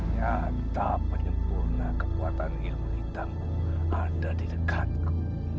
nyata penyempurna kekuatan ilmu hitam ada di dekatku